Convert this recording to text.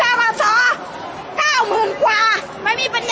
อาหรับเชี่ยวจามันไม่มีควรหยุด